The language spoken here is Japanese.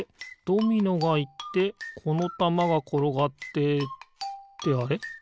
ドミノがいってこのたまがころがってってあれ？